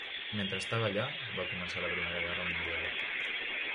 Mentre estava allà, va començar la Primera Guerra Mundial.